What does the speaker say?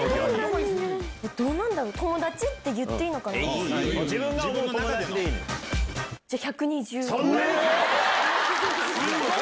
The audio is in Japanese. どうなんだろう、友達って言いいいい。